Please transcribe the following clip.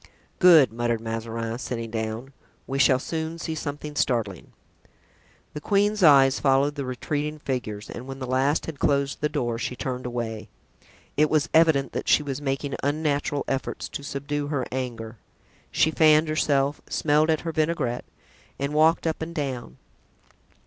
"Good," muttered Mazarin, sitting down, "we shall soon see something startling." The queen's eyes followed the retreating figures and when the last had closed the door she turned away. It was evident that she was making unnatural efforts to subdue her anger; she fanned herself, smelled at her vinaigrette and walked up and down.